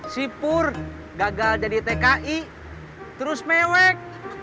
sipur gagal jadi tki terus mewek